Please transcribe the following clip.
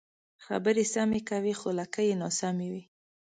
خبرې سمې کوې خو لکۍ یې ناسمې وي.